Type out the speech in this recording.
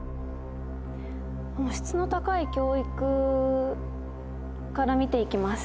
「質の高い教育」から見て行きます。